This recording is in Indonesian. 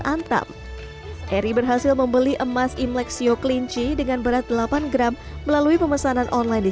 antam heri berhasil membeli emas imlek sioklinci dengan berat delapan gram melalui pemesanan online di